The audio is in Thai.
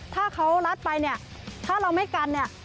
ถ้าเขารัดไปเนี่ยถ้าเราไม่กันเนี่ย